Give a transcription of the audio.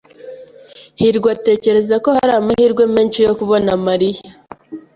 hirwa atekereza ko hari amahirwe menshi yo kubona Mariya.